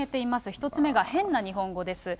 １つ目が変な日本語です。